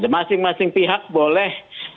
masing masing pihak boleh